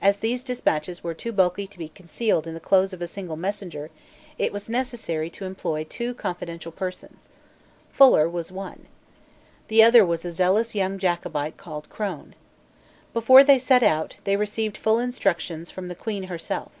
As these despatches were too bulky to be concealed in the clothes of a single messenger, it was necessary to employ two confidential persons. Fuller was one. The other was a zealous young Jacobite called Crone. Before they set out, they received full instructions from the Queen herself.